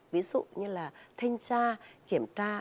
ví dụ như là thanh tra kiểm tra